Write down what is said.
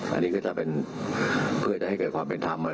อันนี้ก็จะเป็นเพื่อจะให้เกิดความเป็นธรรม